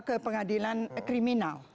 ke pengadilan kriminal